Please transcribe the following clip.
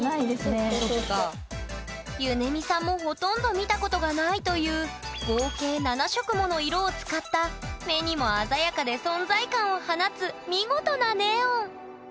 ゆねみさんもほとんど見たことがないという合計７色もの色を使った目にも鮮やかで存在感を放つ見事なネオン。